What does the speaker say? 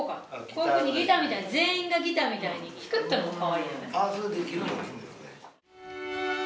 こういうふうにギターみたいに全員がギターみたいに弾くっていうのもかわいいよね。